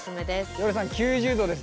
ヨルさん９０度です。